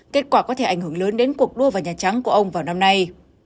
kết quả có thể ảnh hưởng lớn đến cuộc đua vào nhà trắng của ông vào năm nay